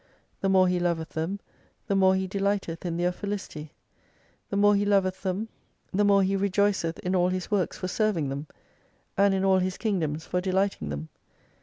The more He loveth them the more He delighteth in their felicity. The more He loveth them, the more He 286 rejoi'ceth in all His works for serving them : and in all His kingdoms for delighting them.